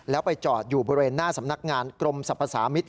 แล้วไปจอดอยู่บริเวณหน้าสำนักงานกรมสรรพสามิตร